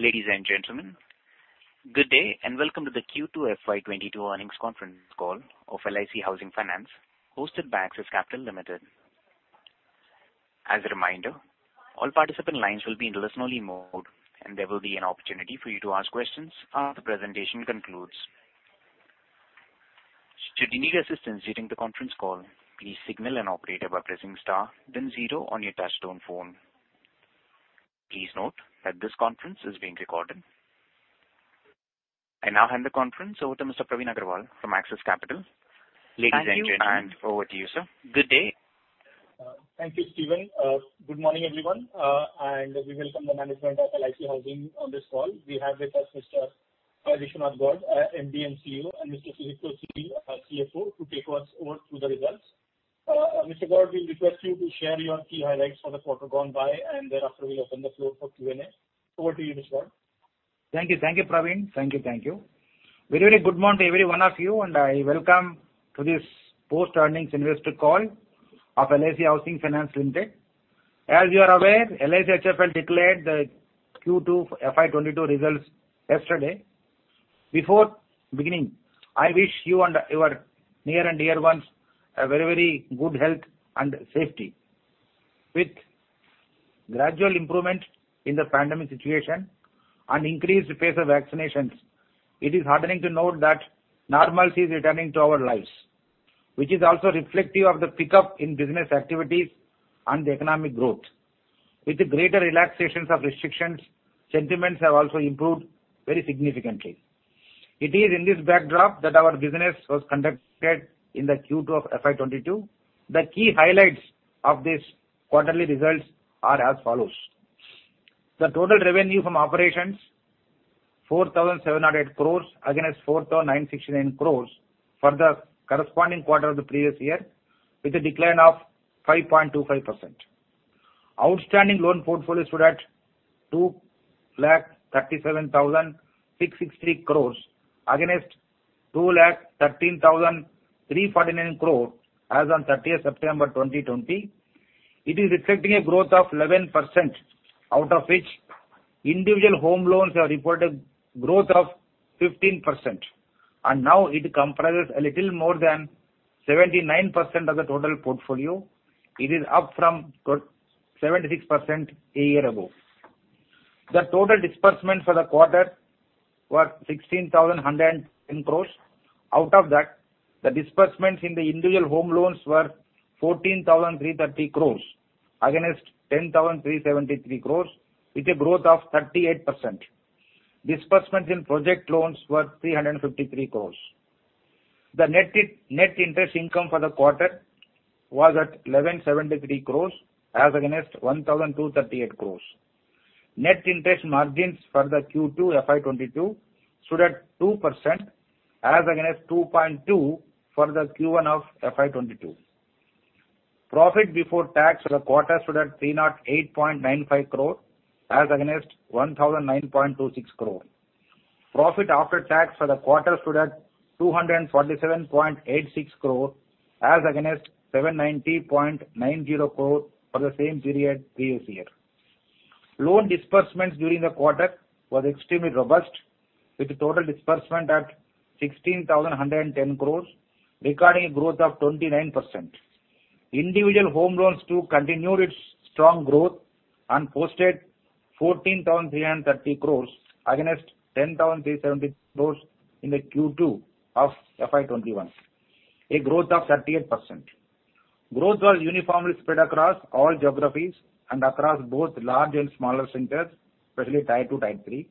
Ladies and gentlemen, good day and welcome to the Q2 FY22 earnings conference call of LIC Housing Finance hosted by Axis Capital Limited. As a reminder, all participant lines will be in listen-only mode and there will be an opportunity for you to ask questions after the presentation concludes. Should you need assistance during the conference call, please signal an operator by pressing star then zero on your touchtone phone. Please note that this conference is being recorded. I now hand the conference over to Mr. Praveen Agarwal from Axis Capital. Ladies and gentlemen, over to you, sir. Good day. Thank you, Steven. Good morning, everyone. We welcome the management of LIC Housing on this call. We have with us Mr. Y. Viswanatha Gowd, MD and CEO, and Mr. Sudipto Sil, our CFO to take us over through the results. Mr. Gowd, we request you to share your key highlights for the quarter gone by and thereafter we open the floor for Q&A. Over to you, Mr. Gowd. Thank you, Praveen. Very good morning to every one of you, and I welcome to this post earnings investor call of LIC Housing Finance Limited. As you are aware, LIC HFL declared the Q2 FY 2022 results yesterday. Before beginning, I wish you and your near and dear ones a very good health and safety. With gradual improvement in the pandemic situation and increased pace of vaccinations, it is heartening to note that normalcy is returning to our lives, which is also reflective of the pickup in business activities and the economic growth. With greater relaxations of restrictions, sentiments have also improved very significantly. It is in this backdrop that our business was conducted in the Q2 of FY 2022. The key highlights of these quarterly results are as follows. The total revenue from operations 4,708 crores against 4,969 crores for the corresponding quarter of the previous year, with a decline of 5.25%. Outstanding loan portfolio stood at 237,660 crores against 213,349 crores as on 30th September 2020. It is reflecting a growth of 11%, out of which individual home loans have reported growth of 15% and now it comprises a little more than 79% of the total portfolio. It is up from 76% a year ago. The total disbursement for the quarter was 16,110 crores. The disbursements in the individual home loans were 14,330 crores against 10,373 crores with a growth of 38%. Disbursements in project loans were 353 crores. The net interest income for the quarter was at 1,173 crores as against 1,238 crores. Net interest margins for the Q2 FY22 stood at 2% as against 2.2 for the Q1 of FY22. Profit before tax for the quarter stood at 308.95 crore as against 1,009.26 crore. Profit after tax for the quarter stood at 247.86 crore as against 790.90 crore for the same period previous year. Loan disbursements during the quarter was extremely robust, with total disbursement at 16,110 crores, recording growth of 29%. Individual home loans too continued its strong growth and posted 14,330 crores against 10,370 crores in the Q2 of FY21, a growth of 38%. Growth was uniformly spread across all geographies and across both large and smaller centers, especially Tier 2, Tier 3.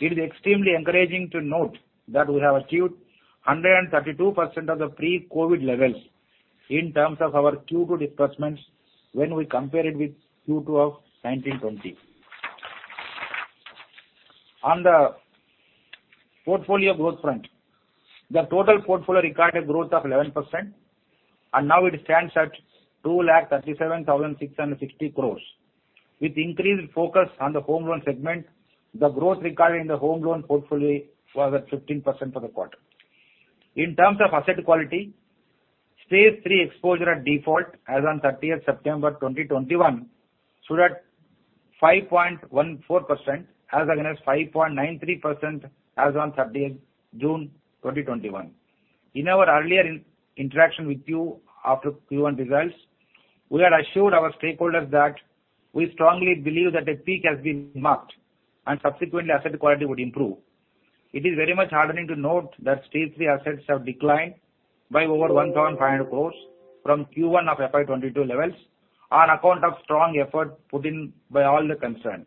It is extremely encouraging to note that we have achieved 132% of the pre-COVID levels in terms of our Q2 disbursements when we compare it with Q2 of 2020. On the portfolio growth front, the total portfolio recorded growth of 11%, and now it stands at 237,660 crore. With increased focus on the home loan segment, the growth recorded in the home loan portfolio was at 15% for the quarter. In terms of asset quality, Stage 3 exposure at default as on 30th September 2021 stood at 5.14% as against 5.93% as on 30th June 2021. In our earlier interaction with you after Q1 results, we had assured our stakeholders that we strongly believe that a peak has been marked and subsequently asset quality would improve. It is very much heartening to note that Stage 3 assets have declined by over 1,500 crore from Q1 of FY22 levels on account of strong effort put in by all the concerned.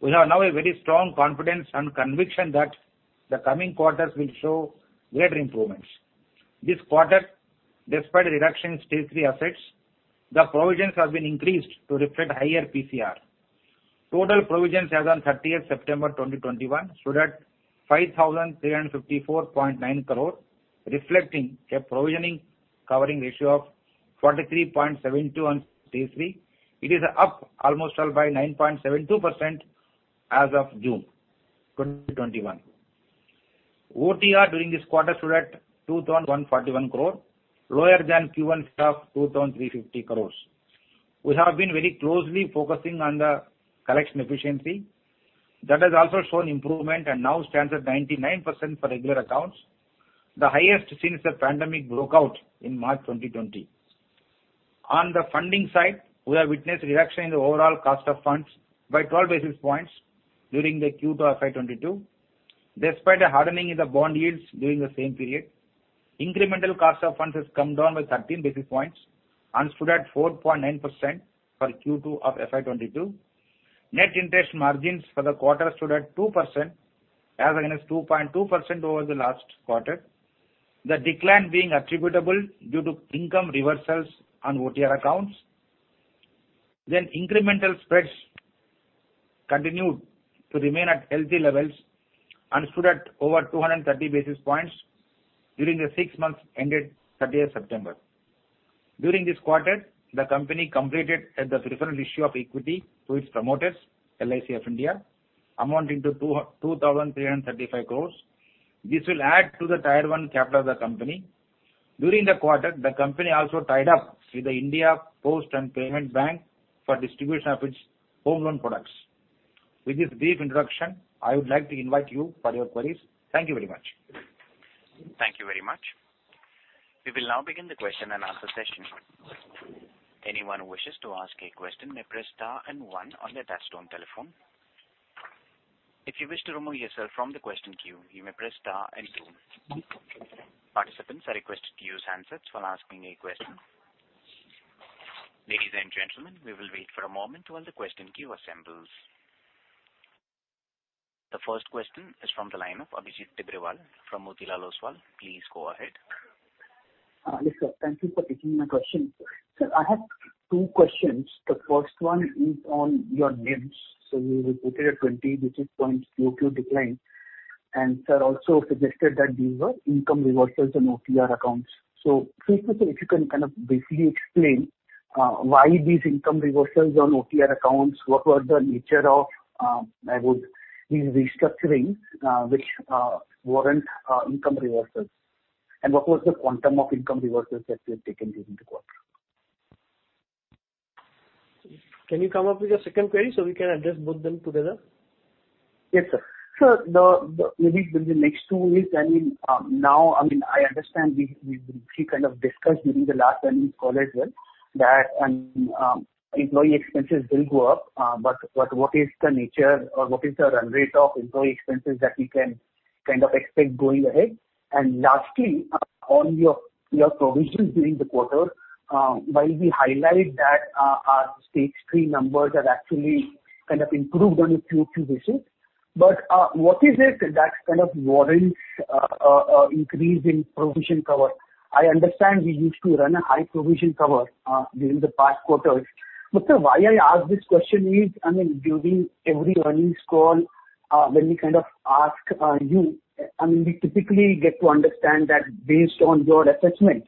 We have now a very strong confidence and conviction that the coming quarters will show greater improvements. This quarter, despite reduction in Stage 3 assets, the provisions have been increased to reflect higher PCR. Total provisions as on 30th September 2021 stood at 5,354.9 crores, reflecting a provisioning covering ratio of 43.72% on Stage 3. It is up almost all by 9.72% as of June 2021. OTR during this quarter stood at 2,141 crores, lower than Q1 of 2,350 crores. We have been very closely focusing on the collection efficiency. That has also shown improvement and now stands at 99% for regular accounts, the highest since the pandemic broke out in March 2020. On the funding side, we have witnessed a reduction in the overall cost of funds by 12 basis points during the Q2 of FY 2022, despite a hardening in the bond yields during the same period. Incremental cost of funds has come down by 13 basis points and stood at 4.9% for Q2 FY22. Net interest margins for the quarter stood at 2%, as against 2.2% over the last quarter. The decline being attributable due to income reversals on OTR accounts. Incremental spreads continued to remain at healthy levels and stood at over 230 basis points during the six months ended 30 September. During this quarter, the company completed the preferential issue of equity to its promoters, LIC of India, amounting to 2,335 crores. This will add to the Tier-1 capital of the company. During the quarter, the company also tied up with the India Post Payments Bank for distribution of its home loan products. With this brief introduction, I would like to invite you for your queries. Thank you very much. Thank you very much. We will now begin the question and answer session. The first question is from the line of Abhijit Tibrewal from Motilal Oswal. Please go ahead. Yes, sir. Thank you for taking my question. Sir, I have two questions. The first one is on your NIMs. You reported a 20-basis-points QoQ decline, and sir also suggested that these were income reversals on OTR accounts. Please, sir, if you can kind of briefly explain why these income reversals on OTR accounts, what was the nature of these restructurings which warrant income reversals? What was the quantum of income reversals that were taken during the quarter? Can you come up with your second query so we can address both of them together? Yes, sir. Sir, maybe in the next two weeks, I understand we briefly discussed during the last earnings call as well that employee expenses will go up. What is the nature or what is the run rate of employee expenses that we can kind of expect going ahead? Lastly, on your provisions during the quarter, while we highlight that our stage 3 numbers have actually kind of improved on a QoQ basis, but what is it that kind of warrants an increase in provision cover? I understand we used to run a high provision cover during the past quarters. Sir, why I ask this question is, during every earnings call, when we kind of ask you, we typically get to understand that based on your assessment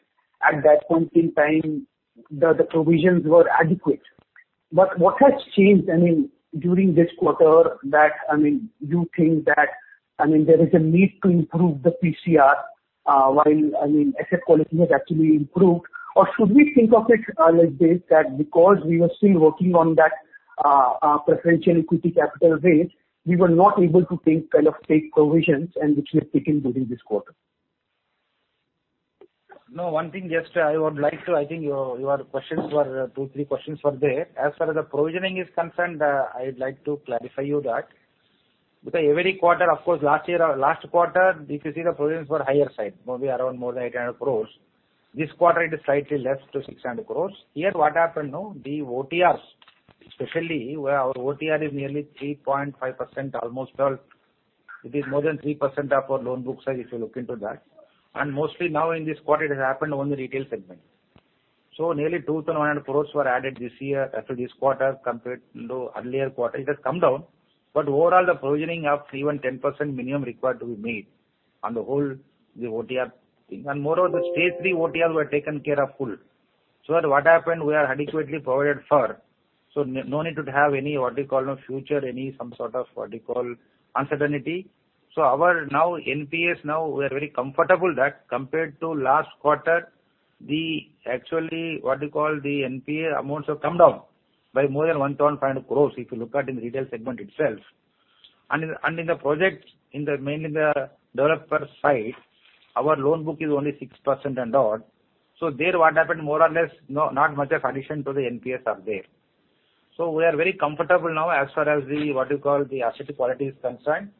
at that point in time, that the provisions were adequate. What has changed during this quarter that you think that there is a need to improve the PCR while asset quality has actually improved? Should we think of it like this, that because we were still working on that preferential equity capital raise we were not able to take provisions and which we have taken during this quarter? No, one thing just I would like to, I think your questions were two, three questions were there. As far as the provisioning is concerned, I would like to clarify you that every quarter, of course, last quarter, if you see the provisions were higher side, maybe around more than 800 crores. This quarter, it is slightly less to 600 crores. Here, what happened, the OTRs, especially where our OTR is nearly 3.5%, almost all, it is more than 3% of our loan book size, if you look into that. Mostly now in this quarter, it has happened only retail segment. Nearly 2,100 crores were added this year after this quarter compared to earlier quarter, it has come down. Overall, the provisioning of even 10% minimum required to be made on the whole, the OTR thing. Moreover, the Stage 3 OTR were taken care of full. What happened, we are adequately provided for, so no need to have any, what do you call, future, any some sort of, what do you call, uncertainty. Our NPAs now, we are very comfortable that compared to last quarter, actually, what do you call, the NPA amounts have come down by more than 1,500 crore, if you look at in the retail segment itself. In the project, mainly in the developer side, our loan book is only 6% and odd, so there what happened, more or less, not much addition to the NPAs are there. We are very comfortable now as far as the, what do you call, the asset quality is concerned.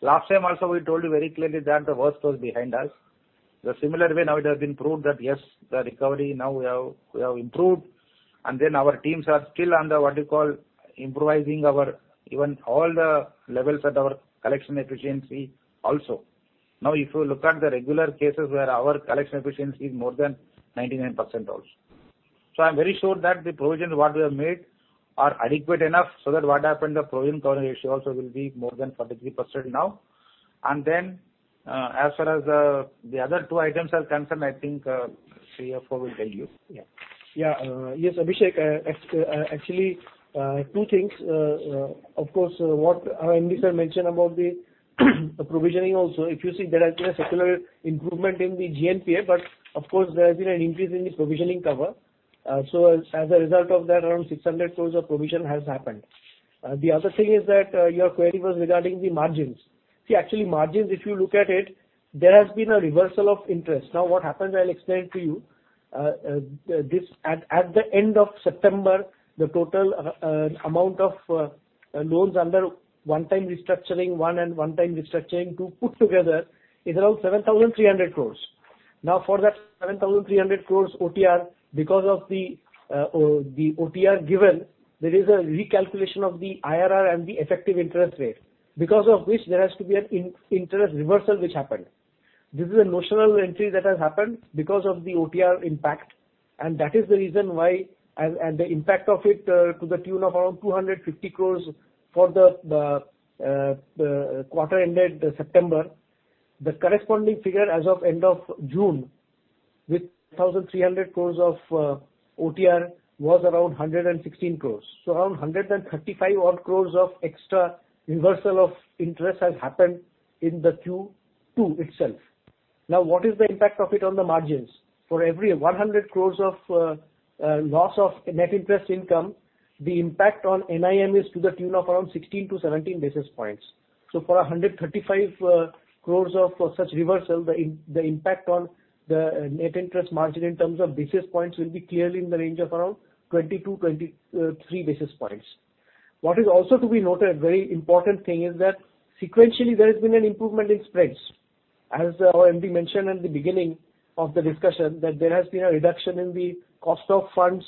Last time also, we told you very clearly that the worst was behind us. The similar way now it has been proved that, yes, the recovery now we have improved, our teams are still under, what do you call, improvising our even all the levels at our collection efficiency also. Now, if you look at the regular cases where our collection efficiency is more than 99% also. I'm very sure that the provisions what we have made are adequate enough so that what happened, the provision coverage ratio also will be more than 43% now. As far as the other two items are concerned, I think CFO will tell you. Yeah. Yes, Abhijit Tibrewal, actually two things. Of course, what our MD Sir mentioned about the provisioning also, if you see there has been a secular improvement in the GNPA, of course, there has been an increase in the provisioning cover. As a result of that, around 600 crores of provision has happened. The other thing is that your query was regarding the margins. See, actually, margins, if you look at it, there has been a reversal of interest. What happened, I'll explain to you. At the end of September, the total amount of loans under one-time restructuring one and one-time restructuring two put together is around 7,300 crores. For that 7,300 crores OTR, because of the OTR given, there is a recalculation of the IRR and the effective interest rate. Because of which there has to be an interest reversal which happened. This is a notional entry that has happened because of the OTR impact and the impact of it to the tune of around 250 crore for the quarter ended September. The corresponding figure as of end of June with 1,300 crore of OTR was around 116 crore. Around 135 odd crore of extra reversal of interest has happened in the Q2 itself. Now what is the impact of it on the margins? For every 100 crore of loss of net interest income, the impact on NIM is to the tune of around 16-17 basis points. For 135 crore of such reversal, the impact on the net interest margin in terms of basis points will be clearly in the range of around 20-23 basis points. What is also to be noted, very important thing is that sequentially there has been an improvement in spreads. As our MD mentioned at the beginning of the discussion, that there has been a reduction in the cost of funds,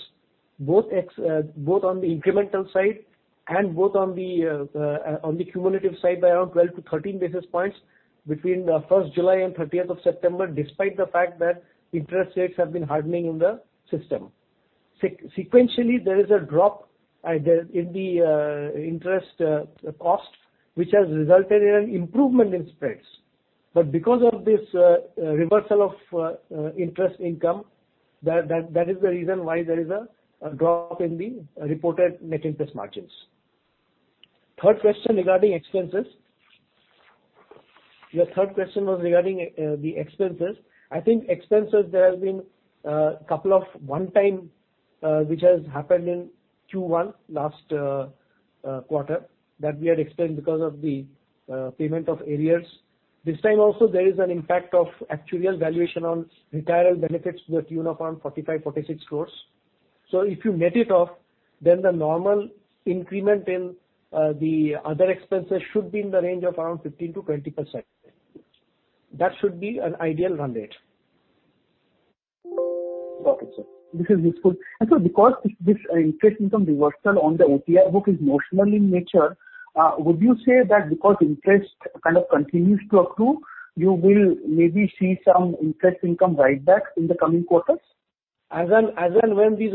both on the incremental side and both on the cumulative side by around 12 to 13 basis points between 1st July and 30th of September, despite the fact that interest rates have been hardening in the system. Sequentially, there is a drop in the interest cost, which has resulted in an improvement in spreads. Because of this reversal of interest income, that is the reason why there is a drop in the reported net interest margins. Third question regarding expenses. Your third question was regarding the expenses. I think expenses, there have been a couple of one-time, which has happened in Q1, last quarter, that we had explained because of the payment of arrears. This time also there is an impact of actuarial valuation on retirement benefits to the tune of around 45- 46 crore. If you net it off, the normal increment in the other expenses should be in the range of around 15%-20%. That should be an ideal run rate. Got it, sir. This is useful. Sir because this interest income reversal on the OTR book is notional in nature, would you say that because interest kind of continues to accrue, you will maybe see some interest income right back in the coming quarters? As and when these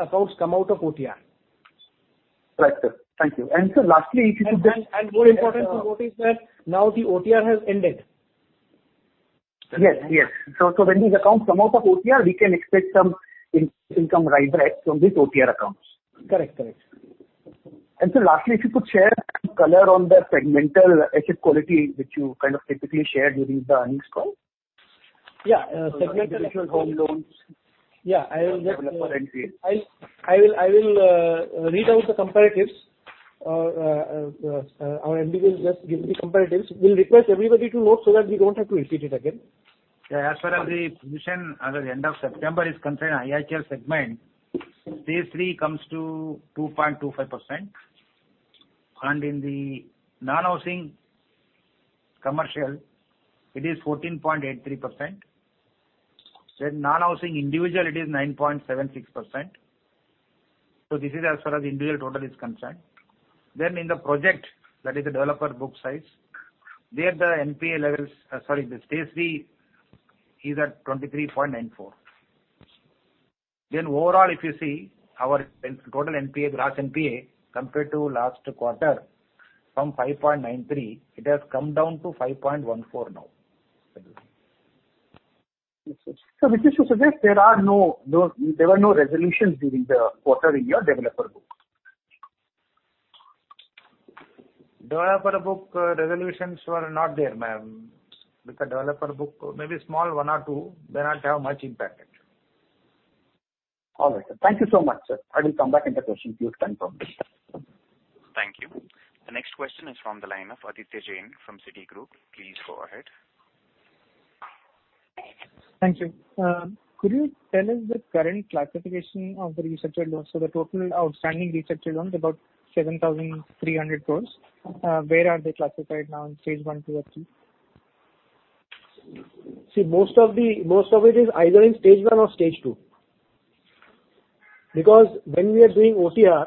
accounts come out of OTR. Correct, sir. Thank you. Sir, lastly, if you could. More important to note is that now the OTR has ended. Yes. When these accounts come out of OTR, we can expect some interest income right back from these OTR accounts. Correct. Sir lastly, if you could share some color on the segmental asset quality which you kind of typically share during the earnings call. Yeah. Like individual home loans. Yeah. Developer NPAs. I will read out the comparatives. Our MD will just give the comparatives. We'll request everybody to note so that we don't have to repeat it again. As far as the position as of end of September is concerned, IHL segment, stage 3 comes to 2.25%. In the non-housing commercial, it is 14.83%. In non-housing individual, it is 9.76%. This is as far as individual total is concerned. In the project, that is the developer book size, there the NPA levels, sorry, the stage 3 is at 23.94%. Overall if you see our total gross NPA compared to last quarter, from 5.93% it has come down to 5.14% now. Sir, which is to suggest there were no resolutions during the quarter in your developer book. Developer book resolutions were not there, because developer book, maybe small one or two, they not have much impact. All right, sir. Thank you so much, sir. I will come back into question if you have time for me. Thank you. The next question is from the line of Aditya Jain from Citigroup. Please go ahead. Thank you. Could you tell us the current classification of the restructured loans? The total outstanding restructured loans, about 7,300 crore, where are they classified now in phase I, II or III? Most of it is either in stage 1 or stage 2. Because when we are doing OTR,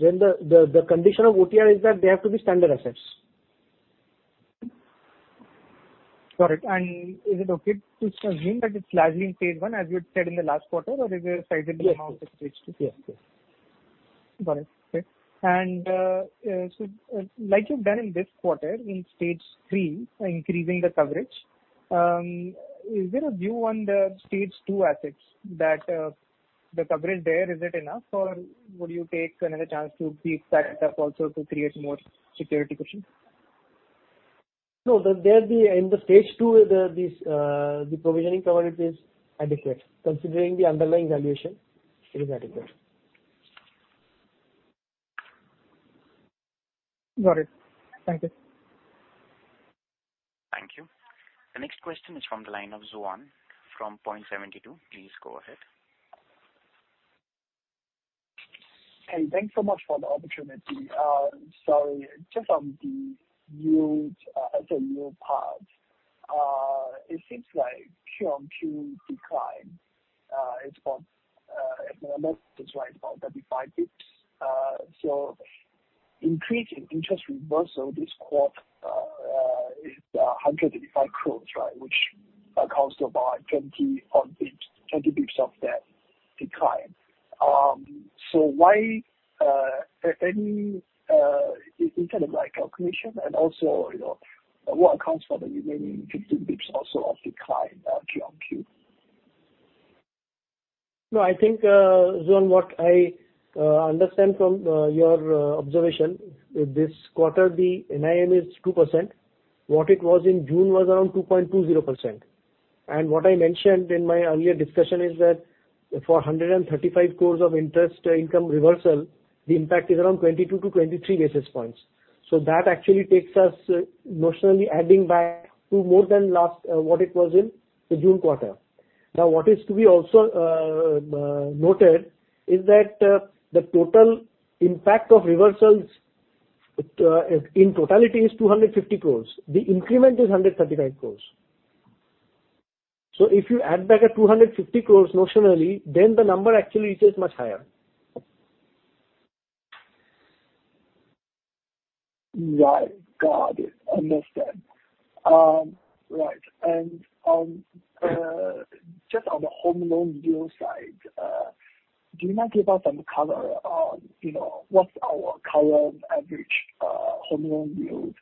the condition of OTR is that they have to be standard assets. Got it. Is it okay to assume that it's largely in phase I as you had said in the last quarter, or is there a sizable amount of stage 2? Got it. Okay. Like you've done in this quarter, in stage 3, increasing the coverage, is there a view on the stage 2 assets that the coverage there, is it enough, or would you take another chance to beef that up also to create more security cushion? No. In stage 2, the provisioning coverage is adequate. Considering the underlying valuation, it is adequate. Got it. Thank you. Thank you. The next question is from the line of Zuan from Point72. Please go ahead. Hey, thanks so much for the opportunity. Just on the yields, as a yield part, it seems like quarter-over-quarter decline, if my math is right, about 35 basis points. Increasing interest reversal this quarter is 135 crore, which accounts to about 20 odd basis points, 20 basis points of that decline. Is there any kind of calculation and also, what accounts for the remaining 15 basis points also of decline quarter-over-quarter? No, I think, Zuan, what I understand from your observation, this quarter, the NIM is 2%. What it was in June was around 2.20%. What I mentioned in my earlier discussion is that for 135 crore of interest income reversal, the impact is around 22 to 23 basis points. That actually takes us notionally adding back to more than last, what it was in the June quarter. What is to be also noted is that the total impact of reversals in totality is 250 crore. The increment is 135 crore. If you add back a 250 crore notionally, the number actually is much higher. Right. Got it. Understand. Right. Just on the home loan yield side, do you mind give us some color on what's our current average home loan yield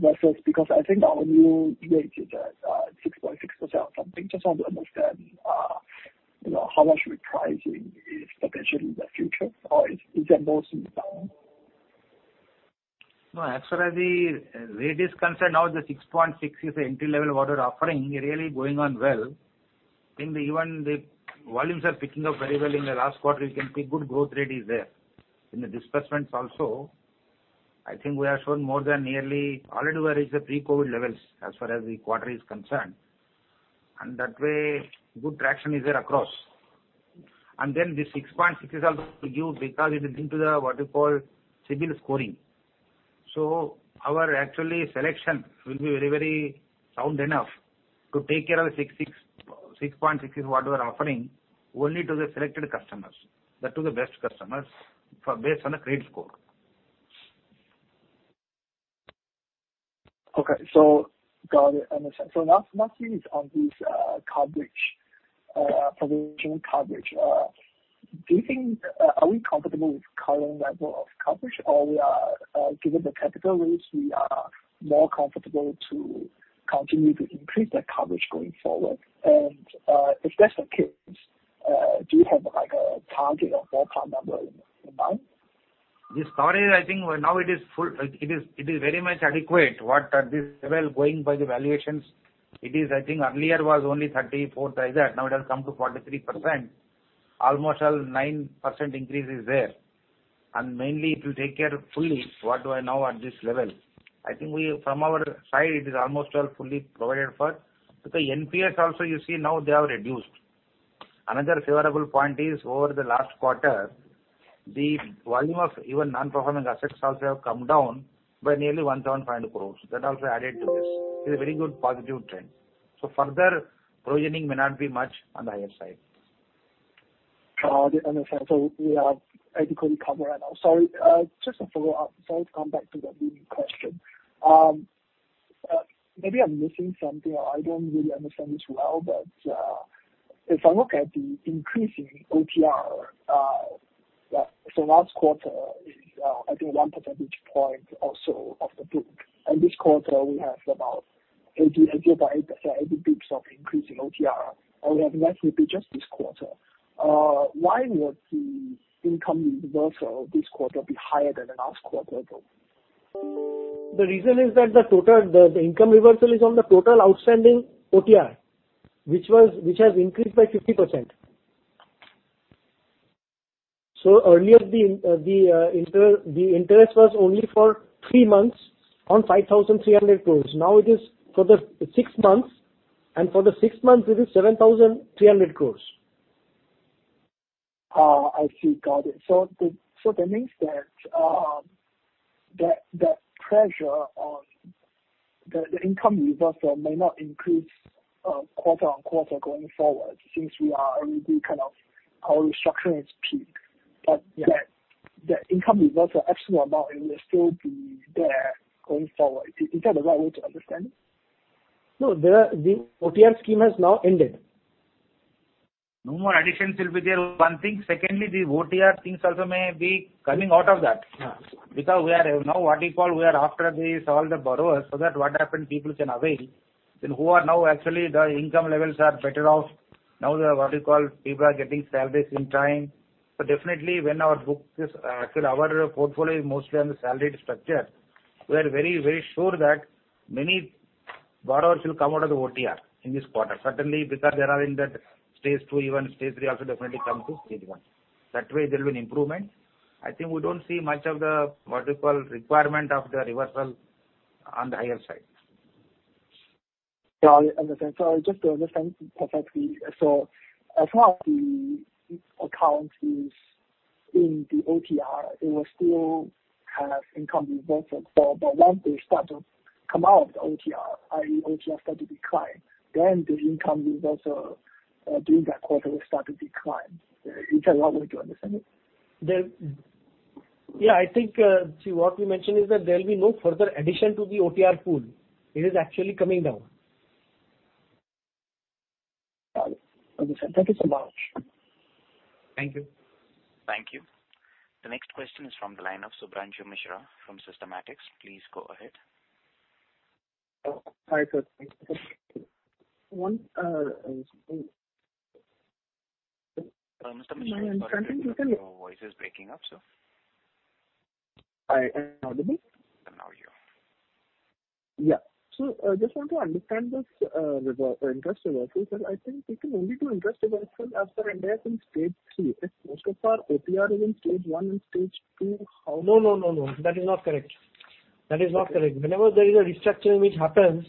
versus, because I think our yield rate is at 6.6% or something. Just want to understand how much repricing is potentially in the future, or is there more soon now? No, as far as the rate is concerned, now the 6.6 is the entry level what we're offering really going on well. I think even the volumes are picking up very well in the last quarter, you can see good growth rate is there. In the disbursements also, I think we have shown more than nearly already where is the pre-COVID levels as far as the quarter is concerned. That way, good traction is there across. The 6.6 is also to give because it is linked to the, what you call, CIBIL scoring. Our actually selection will be very, very sound enough to take care of the 6.6 is what we are offering only to the selected customers, to the best customers based on the credit score. Okay. got it. Understand. last thing is on this coverage, provisioning coverage. Are we comfortable with current level of coverage or given the capital raise, we are more comfortable to continue to increase that coverage going forward? if that's the case, do you have a target or ballpark number in mind? This coverage, I think now it is very much adequate what at this level, going by the valuations. It is, I think earlier was only 34%. Now it has come to 43%. Almost a 9% increase is there. Mainly it will take care fully what we have now at this level. I think from our side, it is almost well fully provided for. With the NPAs also you see now they have reduced. Another favorable point is over the last quarter, the volume of even non-performing assets also have come down by nearly 1,500 crores. That also added to this. It's a very good positive trend. Further provisioning may not be much on the higher side. Got it. Understand. We have adequate cover right now. Sorry, just a follow-up. Sorry to come back to the leading question. Maybe I'm missing something or I don't really understand this well, but if I look at the increase in OTR, last quarter is, I think, 1 percentage point or so of the book. This quarter, we have about 80 bps of increase in OTR. Although that will be just this quarter. Why would the income reversal this quarter be higher than the last quarter though? The reason is that the income reversal is on the total outstanding OTR, which has increased by 50%. Earlier, the interest was only for three months on 5,300 crores. Now it is for the six months, and for the six months, it is 7,300 crores. I see. Got it. That means that the pressure on the income reversal may not increase quarter-on-quarter going forward, since our restructuring is peaked. Yeah. The income reversal absolute amount, it will still be there going forward. Is that the right way to understand? No, the OTR scheme has now ended. No more additions will be there, one thing. Secondly, the OTR things also may be coming out of that. Yeah. Now, we are after all the borrowers so that what happens, people can avail. Who are now actually the income levels are better off. Now, people are getting salaries in time. Definitely, our portfolio is mostly on the salaried structure. We are very sure that many borrowers will come out of the OTR in this quarter. Certainly, because they are in that stage 2, even stage 3 also definitely come to stage 1. That way, there will be an improvement. I think we don't see much of the requirement of the reversal on the higher side. Yeah, I understand. Just to understand perfectly, some of the accounts are in the OTR, it will still have income reversal. Once they start to come out of the OTR, i.e., OTR starts to decline, the income reversal during that quarter will start to decline. Is that the right way to understand it? Yeah, I think, see, what we mentioned is that there will be no further addition to the OTR pool. It is actually coming down. Got it. Okay, sir. Thank you so much. Thank you. Thank you. The next question is from the line of Shubhranshu Mishra from Systematix. Please go ahead. Hi, sir. Mr. Mishra, sorry, your voice is breaking up, sir. I am audible? Now you are. Yeah. I just want to understand this interest reversal. I think it will only do interest reversal after Ind AS in stage 3. Most of our OTR is in stage 1 and stage 2. No. That is not correct. Whenever there is a restructuring which happens,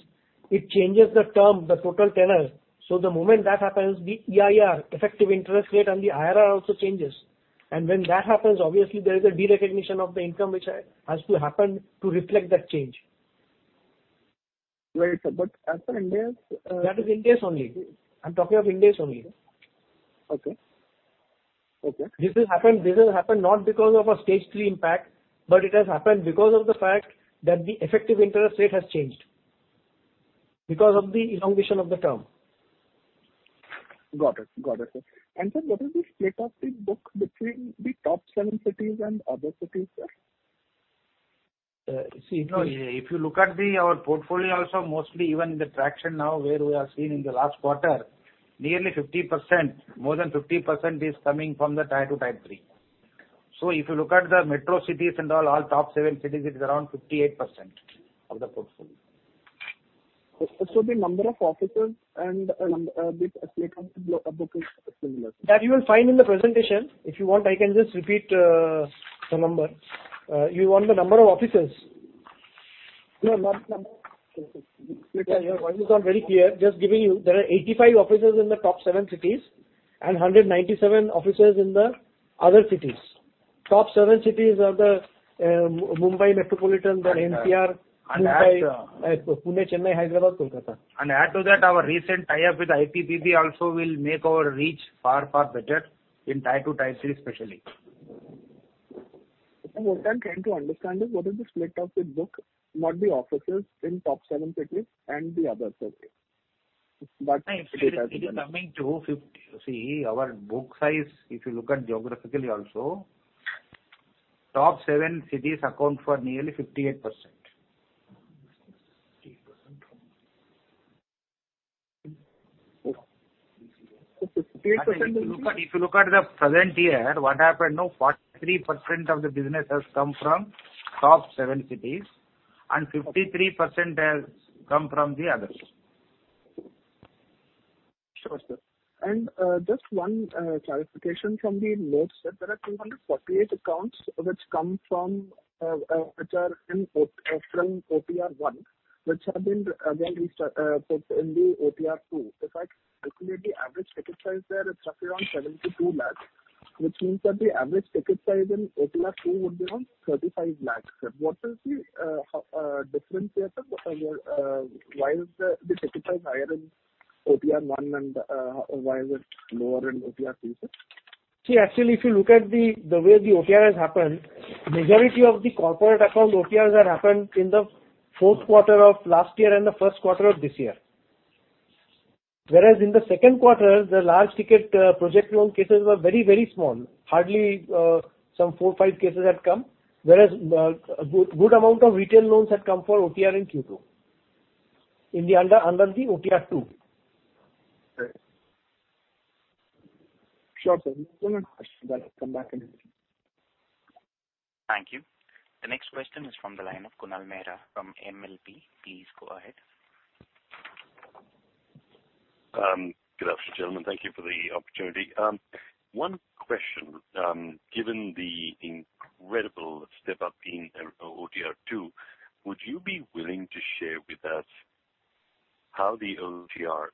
it changes the term, the total tenor. The moment that happens, the EIR, effective interest rate and the IRR also changes. When that happens, obviously, there is a de-recognition of the income which has to happen to reflect that change. Right. As per Ind AS. That is Ind AS only. I'm talking of Ind AS only. Okay. This has happened not because of a stage 3 impact, but it has happened because of the fact that the effective interest rate has changed, because of the elongation of the term. Got it. Sir, what is the split of the book between the top seven cities and other cities, sir? See- If you look at our portfolio also, mostly even in the traction now where we are seeing in the last quarter, nearly 50%, more than 50% is coming from the Tier 2, Tier 3. If you look at the metro cities and all top seven cities, it is around 58% of the portfolio. The number of offices and the split of the book is similar. You will find in the presentation. If you want, I can just repeat the number. You want the number of offices? No, not number of offices. Just giving you, there are 85 offices in the top seven cities and 197 offices in the other cities. Top 7 cities are the Mumbai Metropolitan, the NCR, Mumbai, Pune, Chennai, Hyderabad, Kolkata. Add to that, our recent tie-up with IPPB also will make our reach far better in Tier 2, Tier 3, especially. What I'm trying to understand is what is the split of the book, not the offices in top seven cities and the others. Our book size, if you look at geographically also, top seven cities account for nearly 58%. 58%. If you look at the present year, what happened now, 43% of the business has come from top seven cities and 53% has come from the others. Sure, sir. Just one clarification from the notes that there are 248 accounts which are from OTR 1, which have been again put in the OTR 2. In fact, actually the average ticket size there is roughly around 72 lakhs, which means that the average ticket size in OTR 2 would be around 35 lakhs. What is the difference here, sir? Why is the ticket size higher in OTR 1 and why is it lower in OTR 2, sir? See, actually, if you look at the way the OTR has happened, majority of the corporate account OTRs have happened in the fourth quarter of last year and the first quarter of this year. Whereas in the second quarter, the large ticket project loan cases were very small. Hardly some four or five cases had come, whereas good amount of retail loans had come for OTR in Q2, under the OTR 2. Right. Sure, sir. One minute. I'll come back in a minute. Thank you. The next question is from the line of Kunal Mehra from MLP. Please go ahead. Good afternoon, gentlemen. Thank you for the opportunity. One question, given the incredible step-up in OTR 2, would you be willing to share with us how the OTR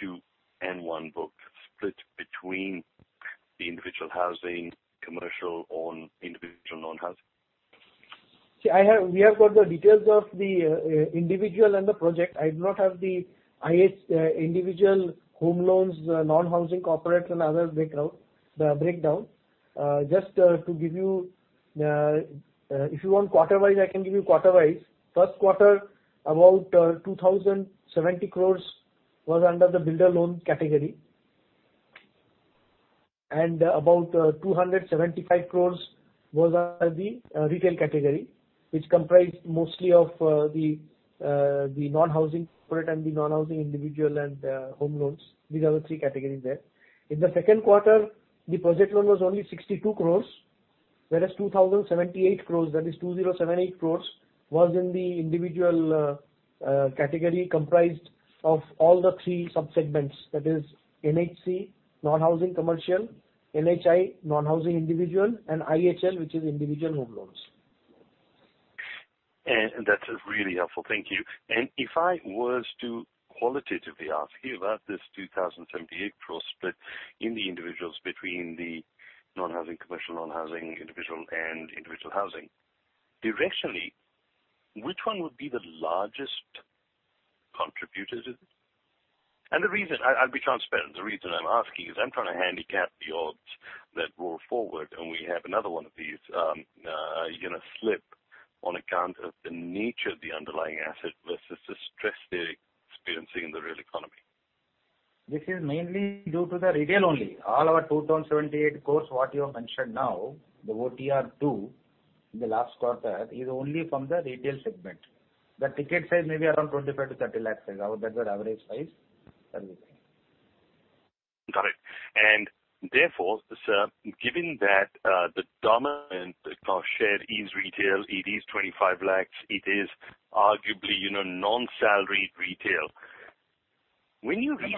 2 and 1 book split between the individual housing, commercial on individual non-housing? See, we have got the details of the individual and the project. I do not have the individual home loans, non-housing corporates, and other breakdown. If you want quarter wise, I can give you quarter wise. First quarter, about 2,070 crore was under the builder loan category. About 275 crore was under the retail category, which comprised mostly of the non-housing commercial and the non-housing individual and home loans. These are the three categories there. In the second quarter, the project loan was only 62 crore, whereas 2,078 crore was in the individual category comprised of all the three sub-segments. That is NHC, non-housing commercial, NHI, non-housing individual, and IHL, which is individual home loans. That's really helpful. Thank you. If I was to qualitatively ask you about this 2,078 crore split in the individuals between the non-housing commercial, non-housing individual, and individual housing. Directionally, which one would be the largest contributor to this? I'll be transparent. The reason I'm asking is I'm trying to handicap the odds that roll forward, and we have another one of these slip on account of the nature of the underlying asset versus the stress they're experiencing in the real economy. This is mainly due to the retail only. All our 2,078 crore what you have mentioned now, the OTR 2 in the last quarter is only from the retail segment. The ticket size may be around 25 lakh-30 lakh is our better average size. That is it. Got it. Therefore, sir, given that the dominant share is retail, it is 25 lakhs. It is arguably non-salaried retail. May not be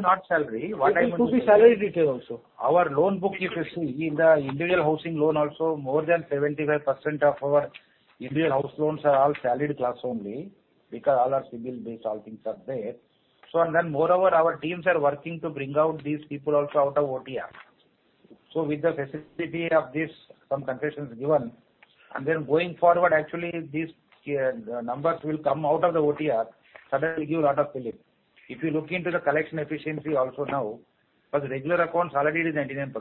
not salary. It will be salaried retail also. Our loan book, if you see in the individual housing loan also more than 75% of our individual house loans are all salaried class only because all are CIBIL-based, all things are there. Moreover, our teams are working to bring out these people also out of OTR. With the facility of this, some concessions given, going forward, actually, these numbers will come out of the OTR suddenly give lot of relief. If you look into the collection efficiency also now, for the regular accounts already it is 99%.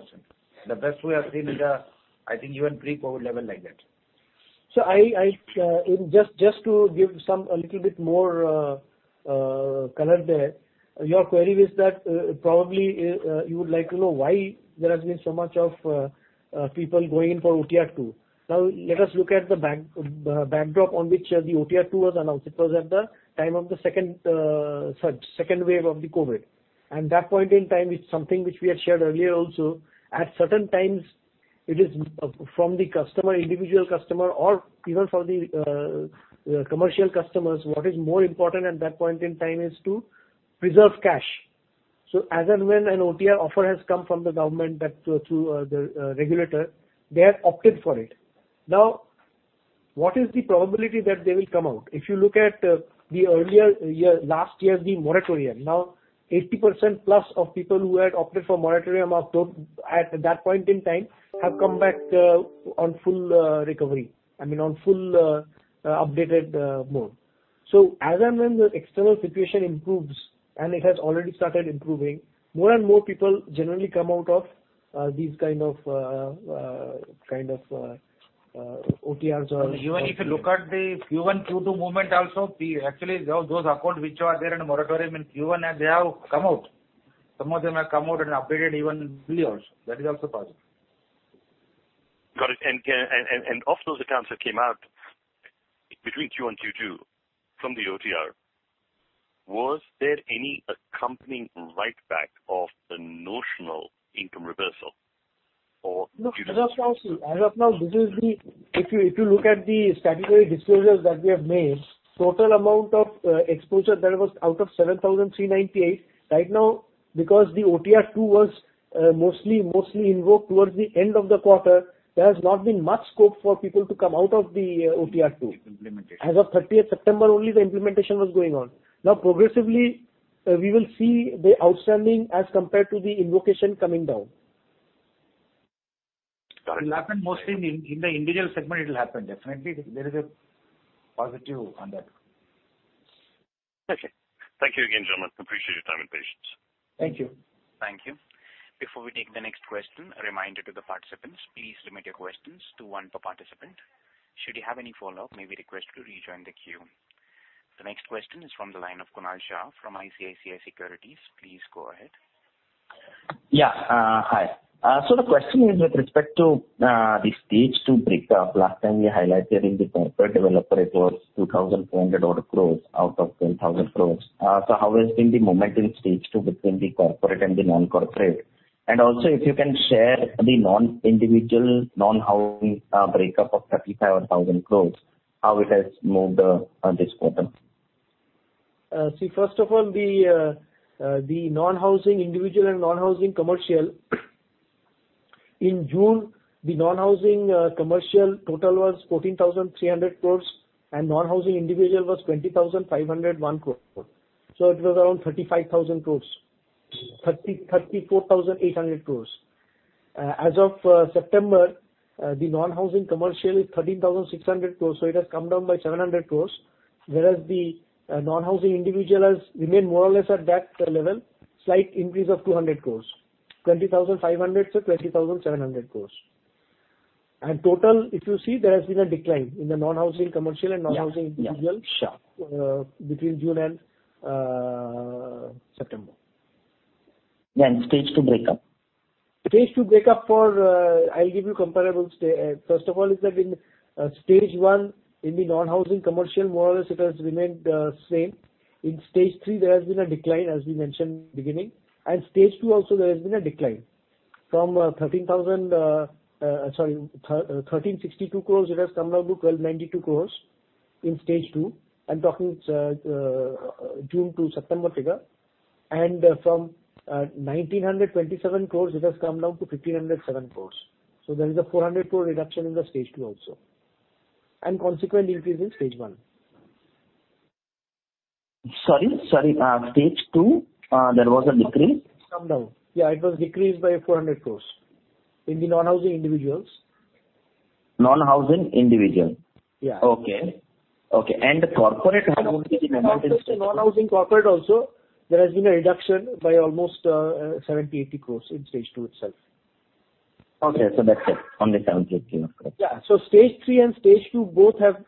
The best we have seen is, I think even pre-COVID level like that. Just to give a little bit more color there. Your query is that probably you would like to know why there has been so much of people going in for OTR 2. Let us look at the backdrop on which the OTR 2 was announced. It was at the time of the second surge, second wave of the COVID. That point in time is something which we had shared earlier also. At certain times, it is from the customer, individual customer, or even from the commercial customers. What is more important at that point in time is to preserve cash. As and when an OTR offer has come from the government through the regulator, they have opted for it. What is the probability that they will come out? If you look at last year, the moratorium. 80% plus of people who had opted for moratorium at that point in time have come back on full recovery, on full updated mode. As and when the external situation improves, and it has already started improving, more and more people generally come out of these kind of OTRs. Even if you look at the Q1, Q2 movement also, actually all those accounts which are there in moratorium in Q1 as they have come out. Some of them have come out and updated even in Q4. That is also possible. Got it. Of those accounts that came out between Q1, Q2 from the OTR, was there any accompanying write-back of the notional income reversal? No. As of now, if you look at the statutory disclosures that we have made, total amount of exposure that was out of 7,398, right now, because the OTR 2 was mostly invoked towards the end of the quarter, there has not been much scope for people to come out of the OTR 2. Implementation. As of 30th September, only the implementation was going on. Now progressively, we will see the outstanding as compared to the invocation coming down. It will happen mostly in the individual segment, it will happen definitely. There is a positive on that. Okay. Thank you again, gentlemen. Appreciate your time and patience. Thank you. Thank you. Before we take the next question, a reminder to the participants, please limit your questions to one per participant. Should you have any follow-up, may we request you to rejoin the queue. The next question is from the line of Kunal Shah from ICICI Securities. Please go ahead. Yeah. Hi. The question is with respect to the stage 2 breakup. Last time you highlighted in the corporate developer, it was INR 2,400 crore odd out of INR 12,000 crore. How has been the momentum in stage 2 between the corporate and the non-corporate? Also if you can share the non-individual, non-housing breakup of 35,000 crore, how it has moved this quarter. First of all, the non-housing individual and non-housing commercial. In June, the non-housing commercial total was 14,300 crores and non-housing individual was 20,501 crore. It was around 34,800 crores. As of September, the non-housing commercial is 13,600 crores, so it has come down by 700 crores. Whereas the non-housing individual has remained more or less at that level, slight increase of 200 crores, 20,500 to 20,700 crores. Total, if you see, there has been a decline in the non-housing commercial and non-housing individual. Yeah, sure. between June and September. stage 2 breakup. Stage 2 breakup for I'll give you comparables. First of all, is that in stage 1, in the non-housing commercial, more or less it has remained the same. In stage 3, there has been a decline, as we mentioned beginning. Stage 2 also, there has been a decline from 1,362 crores, it has come down to 1,292 crores in stage 2. I'm talking June to September figure. From 1,927 crores, it has come down to 1,507 crores. There is a 400 crore reduction in the stage 2 also, and consequent increase in stage 1. Sorry. Stage 2, there was a decrease? It's come down. Yeah, it was decreased by 400 crores in the non-housing individuals. Non-Housing Individual. Yeah. Okay. The corporate. Non-housing corporate also, there has been a reduction by almost 70 crore-80 crore in stage 2 itself. Okay. That's it. On the. Yeah. Stage 3 and stage 2 both have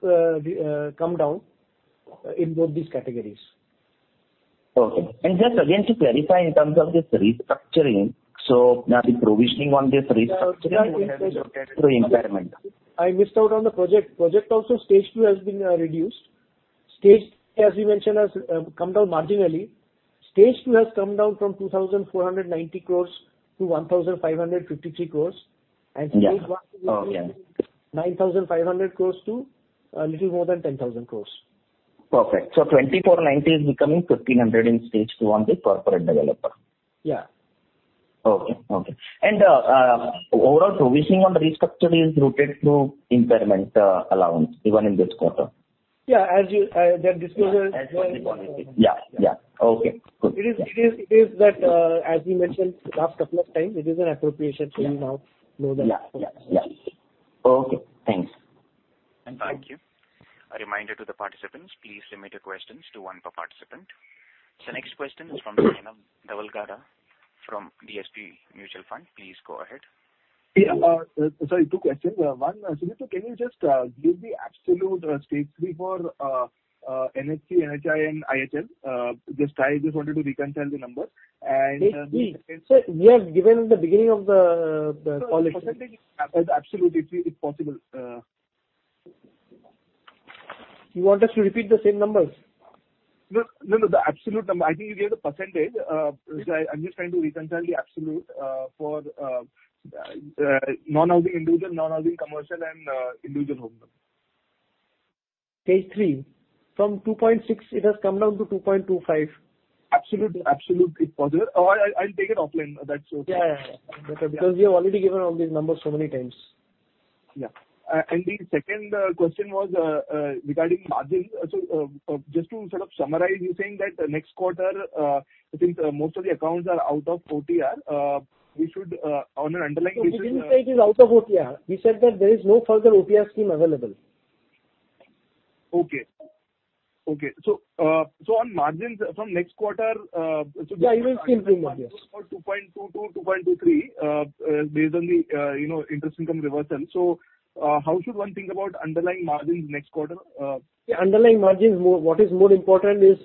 come down in both these categories. Okay. Just again to clarify in terms of this restructuring, the provisioning on this restructuring impairment? I missed out on the project. Project also, stage 2 has been reduced. Stage 3, as we mentioned, has come down marginally. Stage 2 has come down from 2,490 crores to 1,553 crores. Yeah. Stage 1 9,500 crores to a little more than 10,000 crores. Perfect. 2,490 is becoming 1,500 in stage 2 on the corporate developer. Yeah. Okay. Overall provisioning on the restructure is routed through impairment allowance even in this quarter? Yeah. As you, the disclosure Yeah. Okay, good. It is that, as we mentioned last couple of times, it is an appropriation. Yeah. Okay. Thanks. Thank you. A reminder to the participants, please limit your questions to one per participant. Next question is from Dhaval Gada from DSP Mutual Fund. Please go ahead. Yeah. Sorry, two questions. one, Sudipto, can you just give the absolute stage 3 for NHC, NHI and IHL? I just wanted to reconcile the numbers. Stage 3. We have given in the beginning of the call. Percentage, absolute, if possible. You want us to repeat the same numbers? No, the absolute number. I think you gave the percentage. I am just trying to reconcile the absolute for non-housing individual, non-housing commercial, and individual home loan. Stage 3. From 2.6% it has come down to 2.25%. Absolute, if possible. I'll take it offline, if that's okay. Yeah. We have already given all these numbers so many times. Yeah. The second question was regarding margin. Just to sort of summarize, you're saying that next quarter, I think most of the accounts are out of OTR. We should, on an underlying We didn't say it is out of OTR. We said that there is no further OTR scheme available. Okay. On margins from next quarter 2.2%-2.23%, based on the interest income reversal. How should one think about underlying margins next quarter? The underlying margins, what is more important is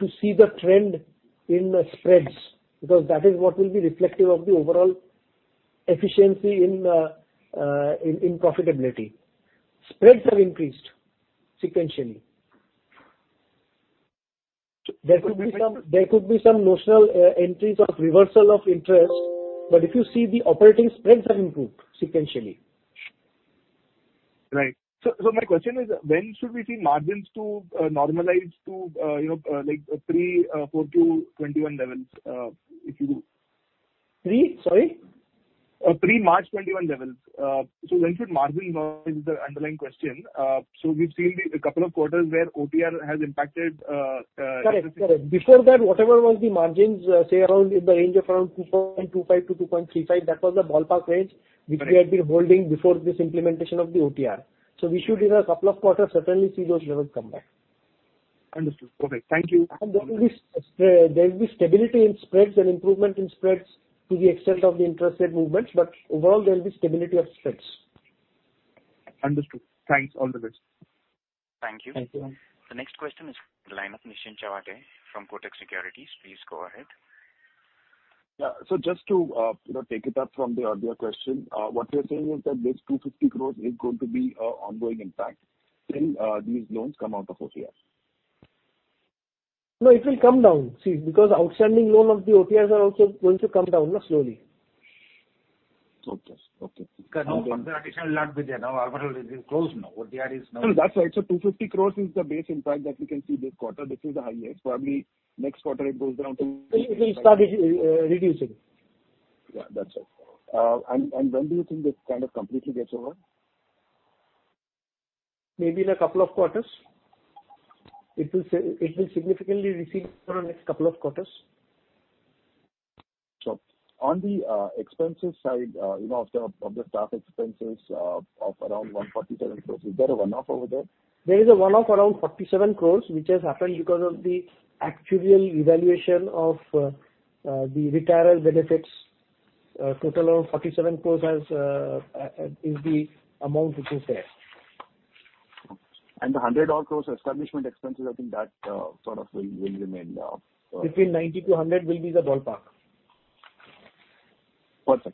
to see the trend in the spreads, because that is what will be reflective of the overall efficiency in profitability. Spreads have increased sequentially. There could be some notional entries of reversal of interest, but if you see the operating spreads have improved sequentially. Right. My question is, when should we see margins to normalize to pre-Q2 FY2021 levels, if you will? Sorry? Pre-March 2021 levels. When should margins normalize is the underlying question. We've seen a couple of quarters where OTR has impacted Correct. Before that, whatever was the margins, say around in the range of around 2.25%-2.35%, that was the ballpark range. Correct which we had been holding before this implementation of the OTR. We should, in a couple of quarters, certainly see those levels come back. Understood. Okay. Thank you. There will be stability in spreads and improvement in spreads to the extent of the interest rate movements, but overall, there will be stability of spreads. Understood. Thanks. All the best. Thank you. Thank you. The next question is line of Nischint Chawathe from Kotak Securities. Please go ahead. Yeah. Just to take it up from the earlier question. What you're saying is that this 250 crores is going to be a ongoing impact till these loans come out of OTRs. No, it will come down. See, because outstanding loan of the OTRs are also going to come down slowly. Okay. Now confirmation will not be there. Now overall it is closed now. OTR is now. No, that's why. 250 crores is the base impact that we can see this quarter. This is the highest. Probably next quarter it goes down to It will start reducing. Yeah, that's it. When do you think this kind of completely gets over? Maybe in a couple of quarters. It will significantly recede over the next couple of quarters. On the expenses side, of the staff expenses of around 147 crores, is that a one-off over there? There is a one-off around 47 crores, which has happened because of the actuarial evaluation of the retirement benefits. Total of 47 crores is the amount which is there. Okay. The 100 odd crores establishment expenses, I think that sort of will remain. Between 90 to 100 will be the ballpark.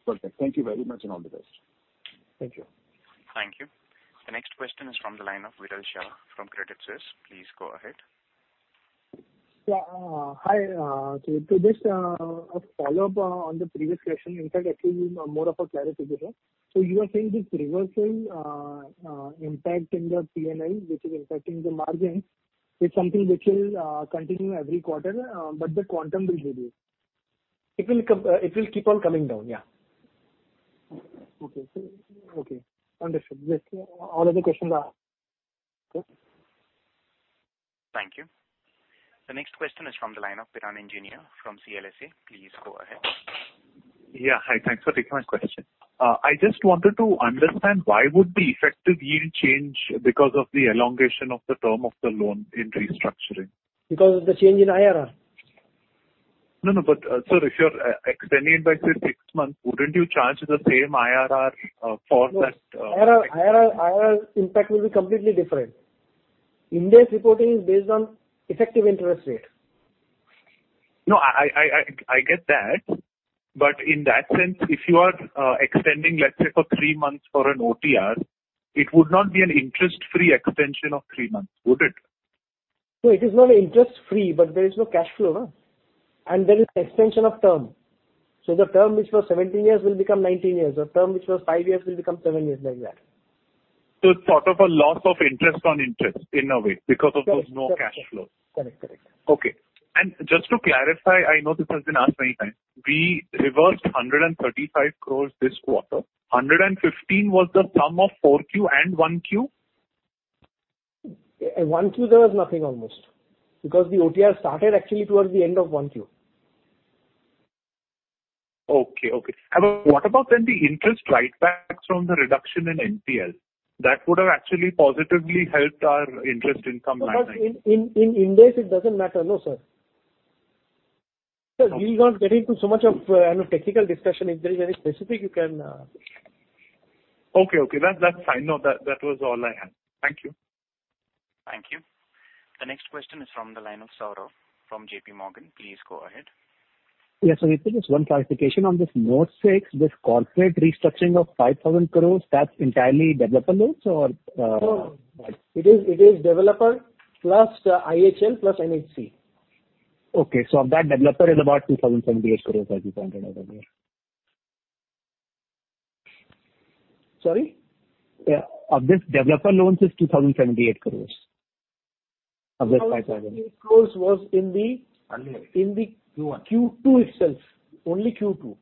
Perfect. Thank you very much, and all the best. Thank you. Thank you. The next question is from the line of Viral Shah from Credit Suisse. Please go ahead. Yeah. Hi. Just a follow-up on the previous question. In fact, actually more of a clarification. You are saying this reversal impact in the P&L, which is impacting the margin, is something which will continue every quarter, but the quantum will reduce. It will keep on coming down, yeah. Okay. Understood. All other questions are answered. Thank you. The next question is from the line of Piran Engineer from CLSA. Please go ahead. Yeah. Hi. Thanks for taking my question. I just wanted to understand why would the effective yield change because of the elongation of the term of the loan in restructuring? Because of the change in IRR. No, sir, if you're extending by, say, six months, wouldn't you charge the same IRR for that? No. IRR impact will be completely different. Ind AS reporting is based on effective interest rate. No, I get that. In that sense, if you are extending, let's say, for three months for an OTR, it would not be an interest-free extension of three months, would it? No, it is not interest free, but there is no cash flow. There is extension of term. The term which was 17 years will become 19 years, the term which was five years will become seven years, like that. It's sort of a loss of interest on interest, in a way, because of those no cash flows. Correct. Okay. Just to clarify, I know this has been asked many times. We reversed 135 crores this quarter. 115 was the sum of 4Q and 1Q? 1Q, there was nothing almost. The OTR started actually towards the end of 1Q. Okay. What about the interest write-backs from the reduction in NPL? That would have actually positively helped our interest income. In Ind AS, it doesn't matter. No, sir. Sir, we will not get into so much of technical discussion. If there is any specific, you can ask. Okay. That's fine. No, that was all I had. Thank you. Thank you. The next question is from the line of Saurabh from J.P. Morgan. Please go ahead. Yeah. Just 1 clarification on this note 6, this corporate restructuring of 5,000 crores, that's entirely developer loans or- No. It is developer plus the IHL plus NHC. Okay. Of that, developer is about 2,078 crores, as you pointed out earlier. Sorry? Of this developer loans is 2,078 crores. Of the 5,000. 2,078 crores was in. Q1 in the- Q1 Q2 itself. Only Q2.